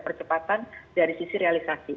percepatan dari sisi realisasi